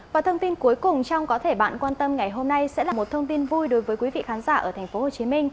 và thông tin cuối cùng trong có thể bạn quan tâm ngày hôm nay sẽ là một thông tin vui đối với quý vị khán giả ở tp hcm